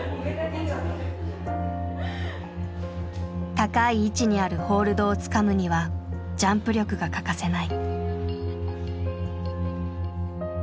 高い位置にあるホールドをつかむにはジャンプ力が欠かせない。